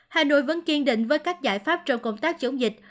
hà nội vẫn kiên định với các giải pháp trong công tác chống dịch